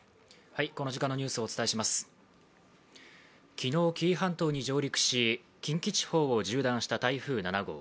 昨日、紀伊半島に上陸し、近畿地方を縦断した台風７号。